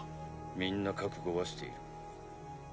みんな覚悟はしている。